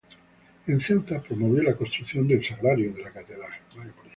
En Ceuta promovió la construcción del sagrario de la catedral.